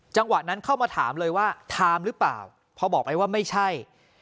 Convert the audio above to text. จังหวะนั้นเข้ามาถามเลยว่าไทม์หรือเปล่าพอบอกไปว่าไม่ใช่